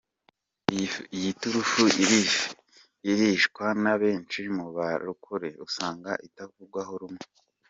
Iyi turufu irishwa na benshi mu barokore, usanga itavugwaho rumwe.